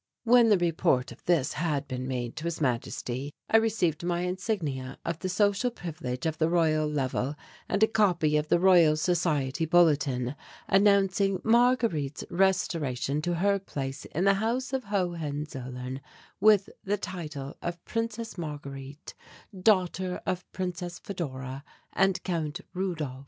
When the report of this had been made to His Majesty, I received my insignia of the social privilege of the Royal Level and a copy of the Royal Society Bulletin announcing Marguerite's restoration to her place in the House of Hohenzollern, with the title of Princess Marguerite, Daughter of Princess Fedora and Count Rudolf.